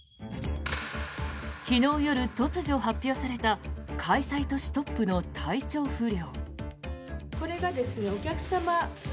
昨日夜、突如発表された開催都市トップの体調不良。